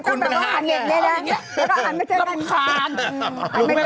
คุณคุณเป็นคาด